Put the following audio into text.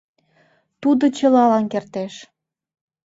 Тудо чылалан кертеш.